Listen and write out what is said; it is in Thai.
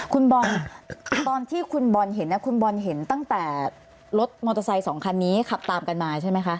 คุณบอลตอนที่คุณบอลเห็นคุณบอลเห็นตั้งแต่รถมอเตอร์ไซค์สองคันนี้ขับตามกันมาใช่ไหมคะ